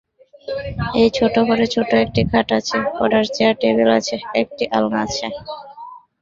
এই ঘরে ছোট্ট একটি খাট আছে, পড়ার চেয়ার-টেবিল আছে, একটি আলনা আছে।